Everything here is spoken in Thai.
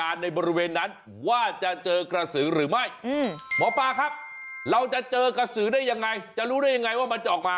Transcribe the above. เราจะเจอกสือได้ยังไงจะรู้ได้ยังไงว่ามันจะออกมา